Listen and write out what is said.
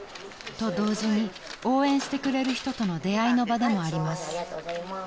［と同時に応援してくれる人との出会いの場でもあります］